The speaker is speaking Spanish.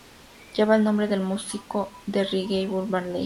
Lleva el nombre del músico de reggae Bob Marley.